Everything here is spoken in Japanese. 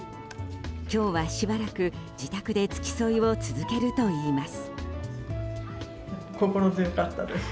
今日はしばらく自宅で付き添いを続けるといいます。